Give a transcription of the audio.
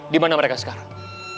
di mana mereka sekarang